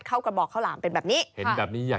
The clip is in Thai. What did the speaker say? แต่ว่าก่อนอื่นเราต้องปรุงรสให้เสร็จเรียบร้อย